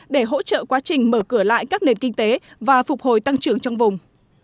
để hỗ trợ quá trình mở cửa lại các nền kinh tế và phục hồi tăng trưởng trong vùng